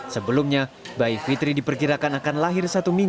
sebelumnya bayi fitri diperkirakan akan lahir semasa kemurahan